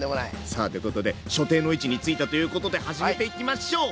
さあということで所定の位置についたということで始めていきましょう！